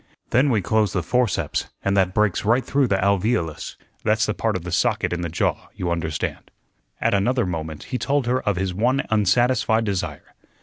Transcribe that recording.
Then we close the forceps, and that breaks right through the alveolus that's the part of the socket in the jaw, you understand." At another moment he told her of his one unsatisfied desire.